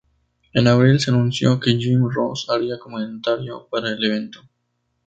En abril, se anunció que Jim Ross haría comentario para el evento.